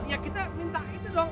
ya kita minta itu dong